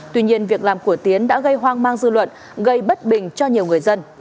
tuy nhiên việc làm của tiến đã gây hoang mang dư luận gây bất bình cho nhiều người dân